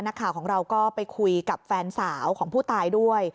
นักข่าวของเราก็ไปคุยกับแฟนสาวของผู้ตายด้วย